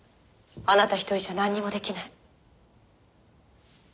あなた一人じゃ何にもできない。